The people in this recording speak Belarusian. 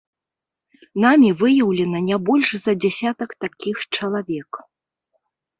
Намі выяўлена не больш за дзясятак такіх чалавек.